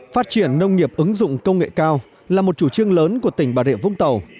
phát triển nông nghiệp ứng dụng công nghệ cao là một chủ trương lớn của tỉnh bà rịa vũng tàu